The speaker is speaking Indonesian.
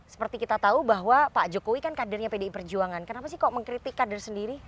seperti kita tahu bahwa pak jokowi kan kadernya pdi perjuangan kenapa sih kok mengkritik kader sendiri